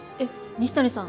西谷さん